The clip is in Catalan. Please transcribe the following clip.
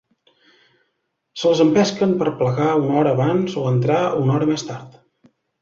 Se les empesquen per plegar una hora abans o entrar una hora més tard.